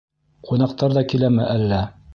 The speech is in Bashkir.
Ҡунаҡтар ҙа киләме әллә?